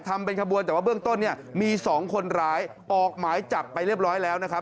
แต่ว่าเบื้องต้นมี๒คนไร้ออกไม้จับไปเรียบร้อยแล้วนะครับ